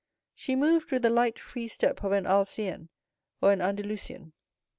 She moved with the light, free step of an Arlesienne or an Andalusian.